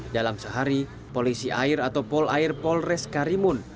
dalam sehari polisi air atau pol air polres karimun